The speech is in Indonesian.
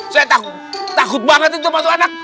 saya takut banget itu sama satu anak